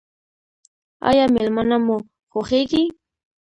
ایا میلمانه مو خوښیږي؟